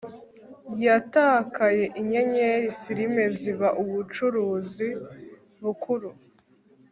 yatakaye inyenyeri: filime ziba ubucuruzi bukuru